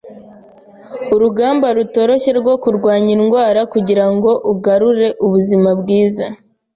Urugamba rutoroshye rwo kurwanya indwara kugirango ugarure ubuzima bwiza